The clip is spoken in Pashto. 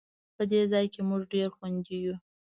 په دې ځای کې مونږ ډېر خوندي یو